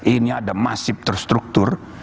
ini ada masih terstruktur